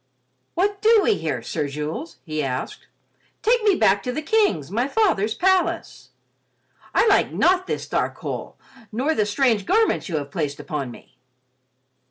"What do we here, Sir Jules?" he asked. "Take me back to the King's, my father's palace. I like not this dark hole nor the strange garments you have placed upon me."